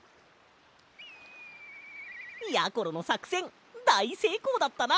やころのさくせんだいせいこうだったな！